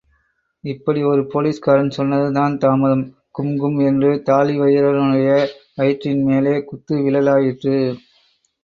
இப்படி ஒரு போலீஸ்காரன் சொன்னதுதான் தாமதம், கும்கும் என்று தாழிவயிறனுடைய வயிற்றின் மேலே குத்து விழலாயிற்று.